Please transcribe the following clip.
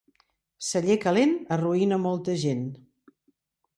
Celler calent arruïna molta gent.